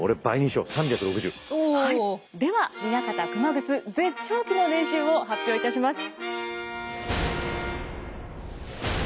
はいでは南方熊楠絶頂期の年収を発表いたします。